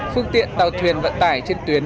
phương tiện tàu thuyền vận tải trên tuyến